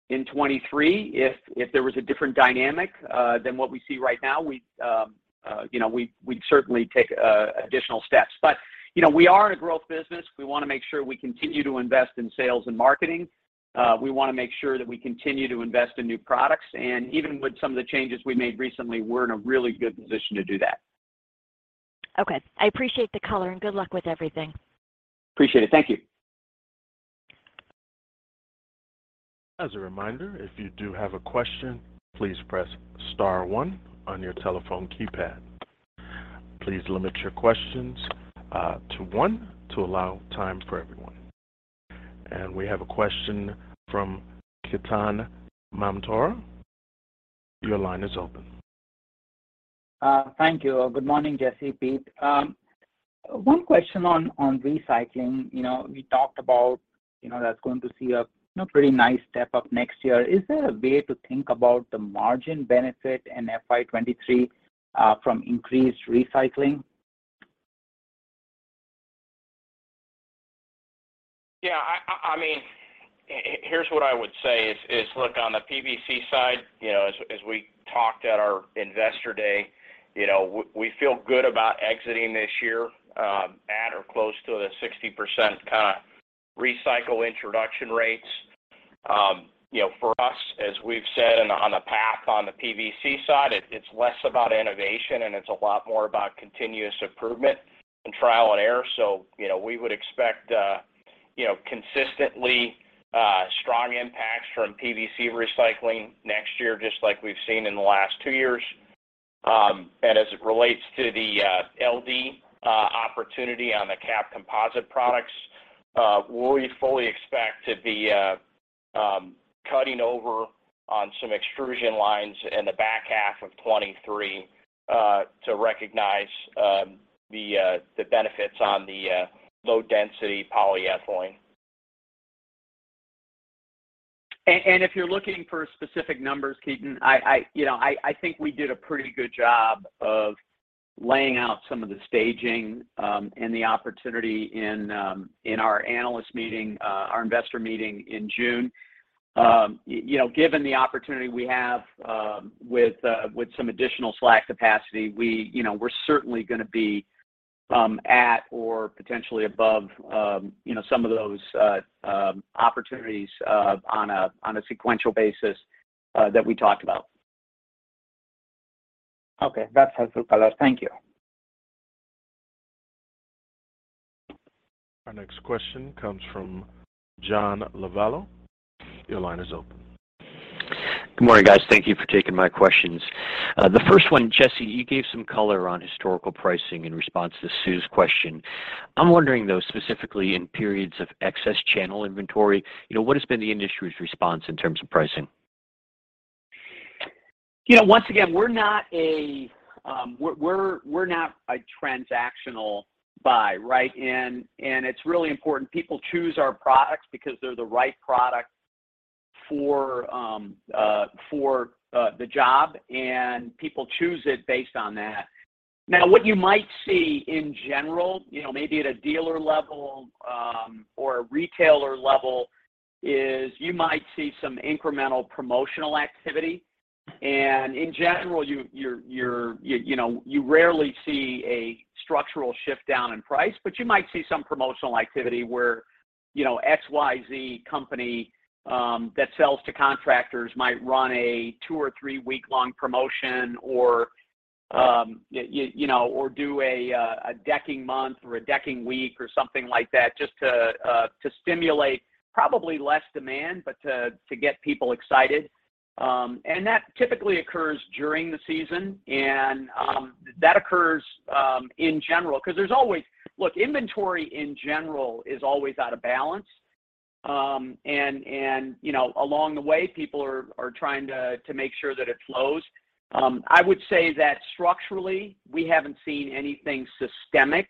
in 2023. If there was a different dynamic than what we see right now, you know, we'd certainly take additional steps. You know, we are in a growth business. We wanna make sure we continue to invest in sales and marketing. We wanna make sure that we continue to invest in new products. Even with some of the changes we made recently, we're in a really good position to do that. Okay. I appreciate the color, and good luck with everything. Appreciate it. Thank you. As a reminder, if you do have a question, please press star one on your telephone keypad. Please limit your questions to one to allow time for everyone. We have a question from Ketan Mamtora. Your line is open. Thank you. Good morning, Jesse, Pete. One question on recycling. You know, we talked about, you know, that's going to see a pretty nice step-up next year. Is there a way to think about the margin benefit in FY 2023 from increased recycling? Yeah, I mean, here's what I would say is look, on the PVC side, you know, as we talked at our Investor Day, you know, we feel good about exiting this year at or close to the 60% kind of recycle introduction rates. You know, for us, as we've said on the path on the PVC side, it's less about innovation, and it's a lot more about continuous improvement and trial and error. You know, we would expect consistently strong impacts from PVC recycling next year, just like we've seen in the last two years. As it relates to the LDPE opportunity on the capped composite products, we fully expect to be cutting over on some extrusion lines in the back half of 2023 to recognize the benefits on the low-density polyethylene. If you're looking for specific numbers, Ketan. You know, I think we did a pretty good job of Laying out some of the staging, and the opportunity in our analyst meeting, our investor meeting in June. You know, given the opportunity we have with some additional slack capacity, you know, we're certainly going to be at or potentially above, you know, some of those opportunities on a sequential basis that we talked about. Okay. That's helpful, color. Thank you. Our next question comes from John Lovallo. Your line is open. Good morning, guys. Thank you for taking my questions. The first one, Jesse, you gave some color on historical pricing in response to Sue's question. I'm wondering, though, specifically in periods of excess channel inventory, you know, what has been the industry's response in terms of pricing? You know, once again, we're not a transactional buy, right? It's really important people choose our products because they're the right product for the job, and people choose it based on that. Now, what you might see in general, you know, maybe at a dealer level or a retailer level is you might see some incremental promotional activity. In general, you know, you rarely see a structural shift down in price, but you might see some promotional activity where, you know, XYZ company that sells to contractors might run a two or three week long promotion or, you know, or do a decking month or a decking week or something like that just to stimulate probably less demand, but to get people excited. That typically occurs during the season. That occurs in general because inventory in general is always out of balance. You know, along the way, people are trying to make sure that it flows. I would say that structurally, we haven't seen anything systemic,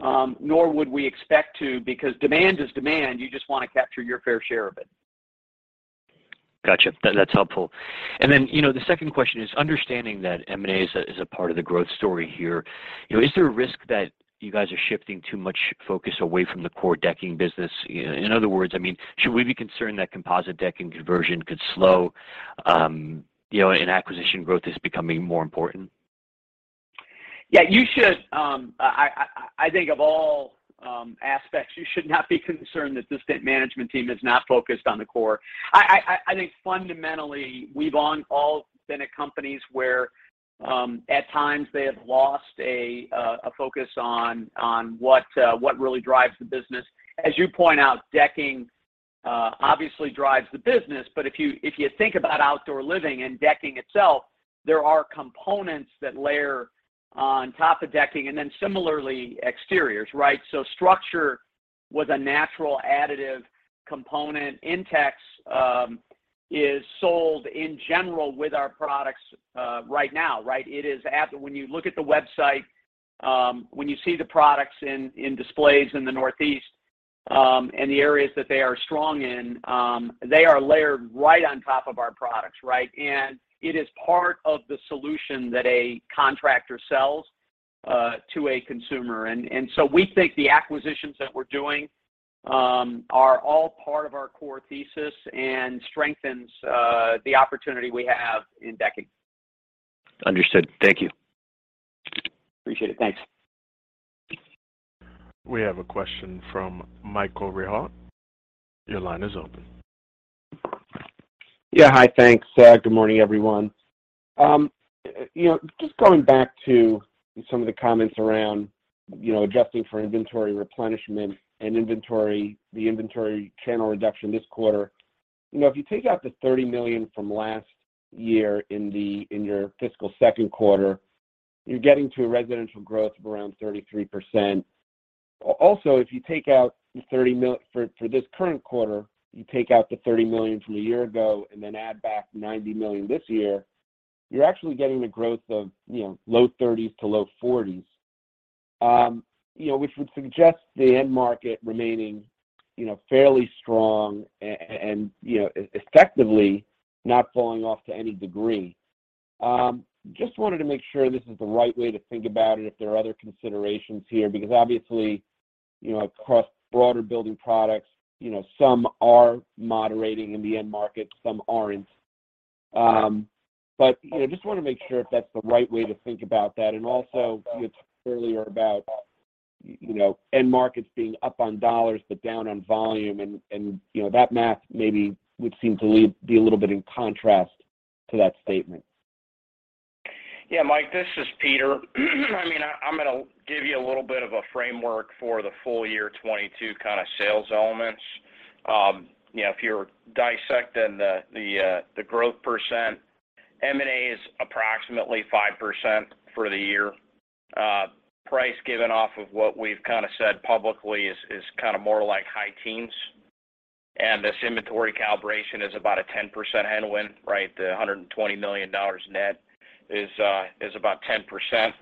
nor would we expect to because demand is demand. You just want to capture your fair share of it. Gotcha. That, that's helpful. You know, the second question is understanding that M&A is a part of the growth story here. You know, is there a risk that you guys are shifting too much focus away from the core decking business? In other words, I mean, should we be concerned that composite decking conversion could slow, you know, and acquisition growth is becoming more important? Yeah, you should. I think of all aspects, you should not be concerned that this management team is not focused on the core. I think fundamentally, we've all been at companies where, at times they have lost a focus on what really drives the business. As you point out, decking obviously drives the business. But if you think about outdoor living and decking itself, there are components that layer on top of decking and then similarly exteriors, right? StruXure was a natural additive component. INTEX is sold in general with our products, right now, right? When you look at the website, when you see the products in displays in the Northeast, and the areas that they are strong in, they are layered right on top of our products, right? It is part of the solution that a contractor sells to a consumer. We think the acquisitions that we're doing are all part of our core thesis and strengthens the opportunity we have in decking. Understood. Thank you. Appreciate it. Thanks. We have a question from Michael Rehaut. Your line is open. Yeah. Hi. Thanks. Good morning, everyone. You know, just going back to some of the comments around, you know, adjusting for inventory replenishment and inventory channel reduction this quarter. You know, if you take out the $30 million from last year in your fiscal second quarter, you're getting to a residential growth of around 33%. Also, if you take out the $30 million for this current quarter, you take out the $30 million from a year ago and then add back $90 million this year, you're actually getting the growth of, you know, low 30% to low 40%, you know, which would suggest the end market remaining, you know, fairly strong and, you know, effectively not falling off to any degree. Just wanted to make sure this is the right way to think about it, if there are other considerations here, because obviously, you know, across broader building products, you know, some are moderating in the end market, some aren't. You know, just want to make sure if that's the right way to think about that. Also you had said earlier about, you know, end markets being up on dollars but down on volume and, you know, that math maybe would seem to be a little bit in contrast to that statement. Yeah, Mike, this is Peter. I mean, I'm going to give you a little bit of a framework for the full year 2022 kind of sales elements. You know, if you're dissecting the growth percent, M&A is approximately 5% for the year. Price given off of what we've kind of said publicly is kind of more like high teens. This inventory calibration is about a 10% headwind, right? The $120 million net is about 10%,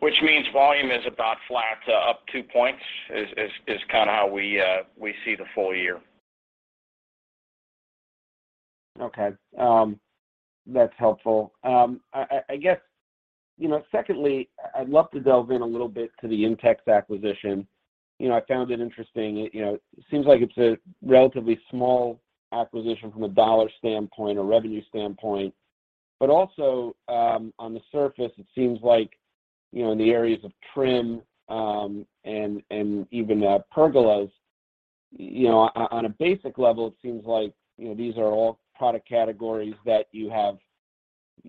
which means volume is about flat to up two points, kind of how we see the full year. Okay. That's helpful. I guess, you know, secondly, I'd love to delve in a little bit to the INTEX acquisition. You know, I found it interesting. You know, it seems like it's a relatively small acquisition from a dollar standpoint or revenue standpoint. Also, on the surface it seems like, you know, in the areas of trim, and even pergolas, you know, on a basic level it seems like, you know, these are all product categories that you have,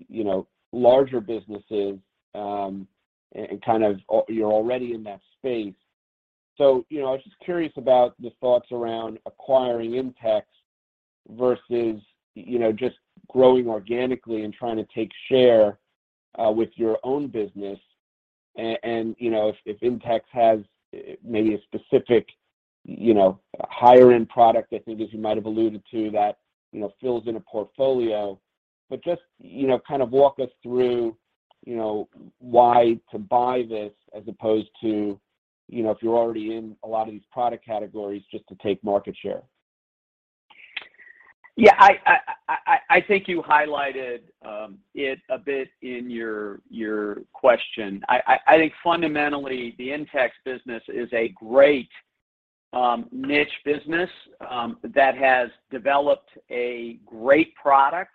you know, larger businesses, and kind of you're already in that space. You know, I was just curious about the thoughts around acquiring INTEX versus, you know, just growing organically and trying to take share with your own business. You know, if INTEX has maybe a specific, you know, higher end product, I think as you might have alluded to, that, you know, fills in a portfolio. Just, you know, kind of walk us through, you know, why to buy this as opposed to, you know, if you're already in a lot of these product categories just to take market share. Yeah. I think you highlighted it a bit in your question. I think fundamentally the INTEX business is a great niche business that has developed a great product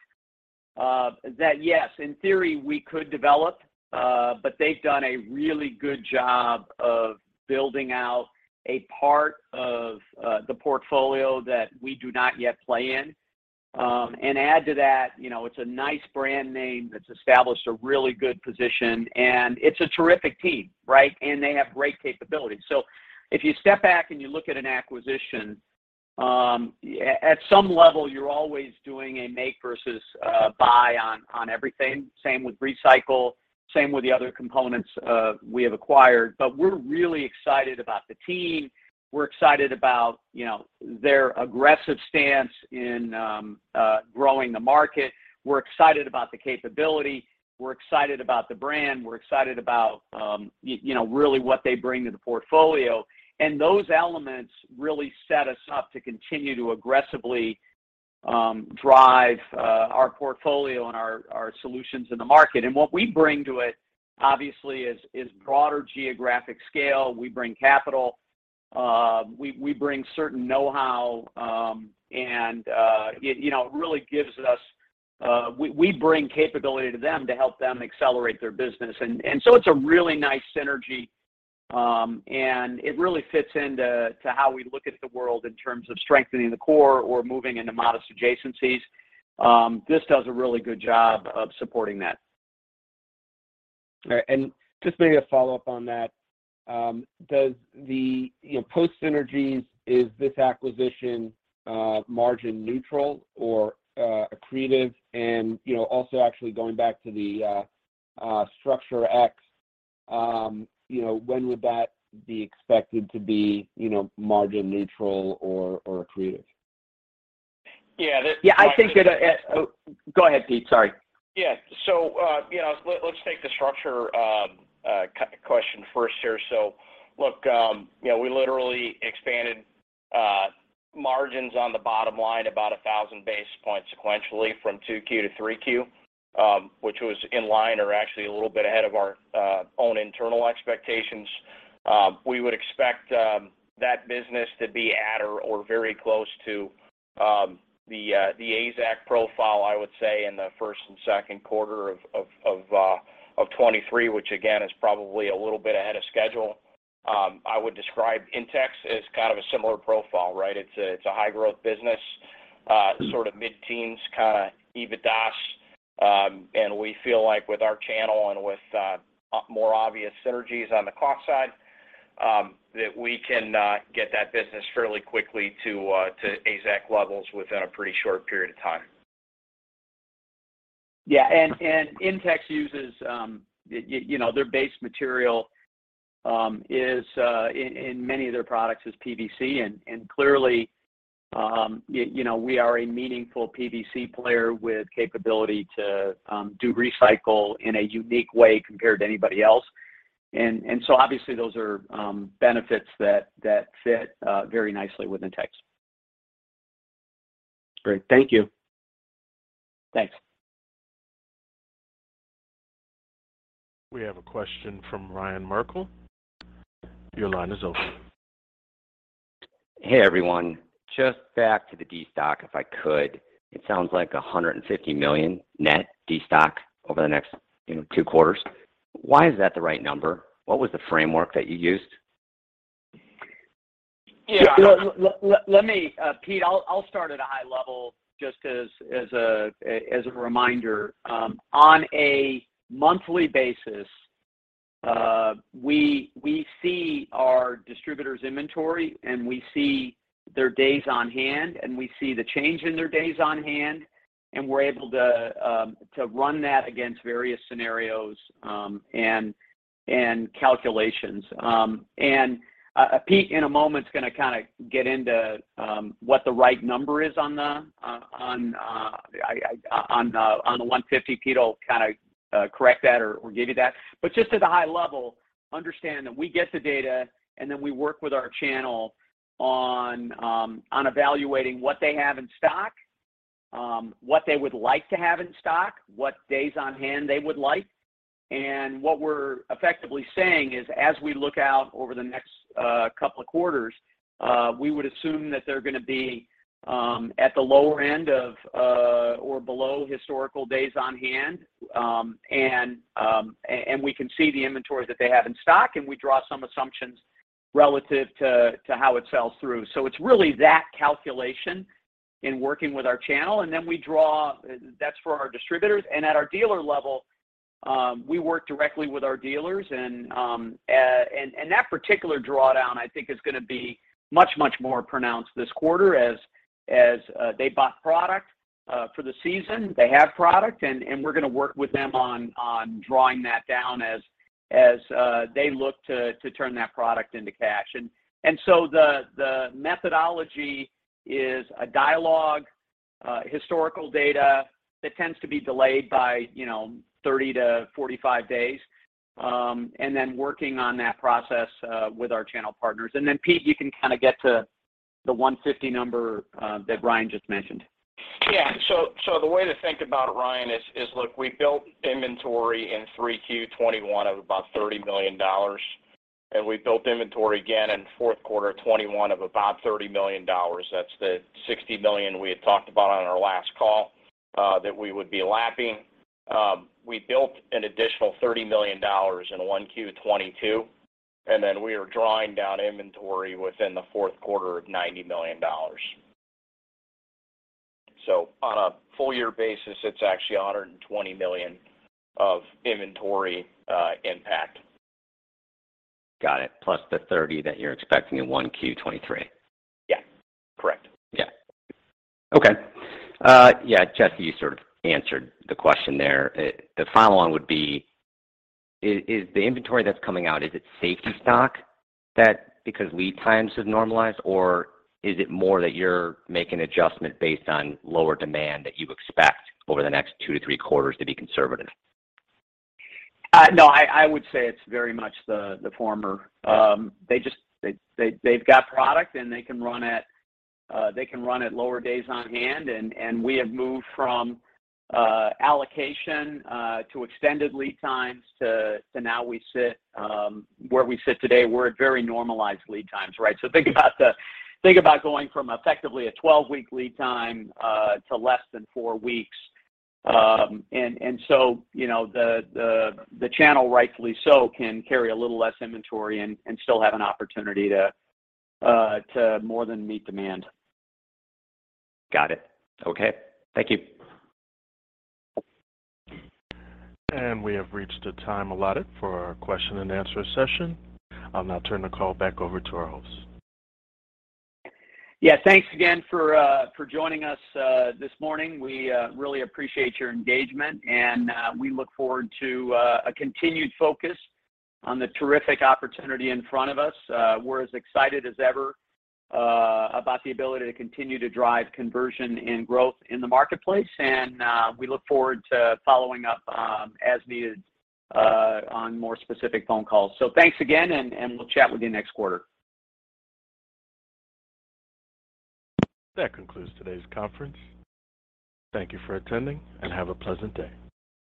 that yes, in theory we could develop, but they've done a really good job of building out a part of the portfolio that we do not yet play in. Add to that, you know, it's a nice brand name that's established a really good position, and it's a terrific team, right? They have great capabilities. If you step back and you look at an acquisition, at some level you're always doing a make versus buy on everything. Same with recycle, same with the other components we have acquired. We're really excited about the team. We're excited about, you know, their aggressive stance in growing the market. We're excited about the capability. We're excited about the brand. We're excited about you know, really what they bring to the portfolio. Those elements really set us up to continue to aggressively drive our portfolio and our solutions in the market. What we bring to it obviously is broader geographic scale. We bring capital. We bring certain know-how. It you know really gives us we bring capability to them to help them accelerate their business. So it's a really nice synergy and it really fits into how we look at the world in terms of strengthening the core or moving into modest adjacencies. This does a really good job of supporting that. All right. Just maybe a follow-up on that. You know, post synergies, is this acquisition margin neutral or accretive? You know, also actually going back to the StruXure, you know, when would that be expected to be, you know, margin neutral or accretive? Yeah. Yeah. I think it. Go ahead, Pete. Sorry. Yeah. So, you know, let's take the StruXure question first here. So look, you know, we literally expanded margins on the bottom line about 1,000 basis points sequentially from 2Q to 3Q. Which was in line or actually a little bit ahead of our own internal expectations. We would expect that business to be at or very close to the AZEK profile, I would say in the first and second quarter of 2023, which again, is probably a little bit ahead of schedule. I would describe INTEX as kind of a similar profile, right? It's a high growth business. Sort of mid-teens kind of EBITDA, and we feel like with our channel and with more obvious synergies on the cost side, that we can get that business fairly quickly to AZEK levels within a pretty short period of time. Yeah. INTEX uses, you know, their base material is in many of their products is PVC. Clearly, you know, we are a meaningful PVC player with capability to do recycle in a unique way compared to anybody else. Obviously those are benefits that fit very nicely with INTEX. Great. Thank you. Thanks. We have a question from Ryan Merkel. Your line is open. Hey, everyone. Just back to the destock, if I could. It sounds like $150 million net destock over the next, you know, two quarters. Why is that the right number? What was the framework that you used? Yeah. Yeah. Let me, Pete, I'll start at a high level just as a reminder. On a monthly basis, we see our distributor's inventory and we see their days on hand, and we see the change in their days on hand, and we're able to run that against various scenarios and calculations. Pete in a moment's gonna kind of get into what the right number is on the 150. Pete will kind of correct that or give you that. Just at a high level, understand that we get the data and then we work with our channel on evaluating what they have in stock, what they would like to have in stock, what days on hand they would like. What we're effectively saying is, as we look out over the next couple of quarters, we would assume that they're gonna be at the lower end of or below historical days on hand. We can see the inventory that they have in stock, and we draw some assumptions relative to how it sells through. It's really that calculation in working with our channel, and then we draw. That's for our distributors. At our dealer level, we work directly with our dealers, and that particular drawdown I think is gonna be much more pronounced this quarter as they bought product for the season. They have product, and we're gonna work with them on drawing that down as they look to turn that product into cash. The methodology is a dialogue, historical data that tends to be delayed by, you know, 30 to 45 days, and then working on that process with our channel partners. Pete, you can kind of get to the 150 number that Ryan just mentioned. Yeah. The way to think about it, Ryan, is look, we built inventory in Q3 2021 of about $30 million, and we built inventory again in fourth quarter 2021 of about $30 million. That's the $60 million we had talked about on our last call that we would be lapping. We built an additional $30 million in Q1 2022, and then we are drawing down inventory within the fourth quarter of $90 million. On a full year basis, it's actually a $120 million of inventory impact. Got it. Plus the $30 that you're expecting in 1Q 2023. Yeah. Correct. Yeah. Okay. Yeah, Jesse, you sort of answered the question there. The follow on would be, is the inventory that's coming out, is it safety stock that because lead times have normalized, or is it more that you're making adjustment based on lower demand that you expect over the next 2 to 3 quarters to be conservative? No. I would say it's very much the former. They just. They've got product, and they can run at lower days on hand and we have moved from allocation to extended lead times to now we sit where we sit today. We're at very normalized lead times, right? Think about going from effectively a 12-week lead time to less than four weeks. You know, the channel rightfully so can carry a little less inventory and still have an opportunity to more than meet demand. Got it. Okay. Thank you. We have reached the time allotted for our question and answer session. I'll now turn the call back over to our host. Yeah. Thanks again for joining us this morning. We really appreciate your engagement, and we look forward to a continued focus on the terrific opportunity in front of us. We're as excited as ever about the ability to continue to drive conversion and growth in the marketplace. We look forward to following up as needed on more specific phone calls. Thanks again, and we'll chat with you next quarter. That concludes today's conference. Thank you for attending and have a pleasant day.